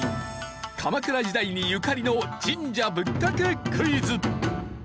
鎌倉時代にゆかりの神社仏閣クイズ。